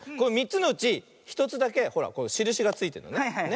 ３つのうち１つだけほらしるしがついてるのね。